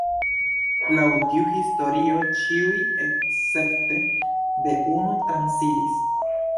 Laŭ tiu historio ĉiuj escepte de unu transiris.